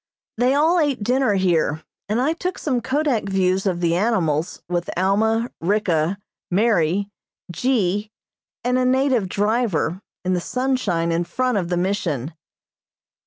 They all ate dinner here, and I took some kodak views of the animals with Alma, Ricka, Mary, G. and a native driver in the sunshine in front of the Mission.